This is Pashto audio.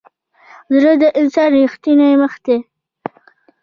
زړه د انسان ریښتینی مخ دی.